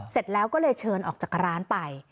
เสร็จแล้วก็เลยเชิญออกจากร้านไป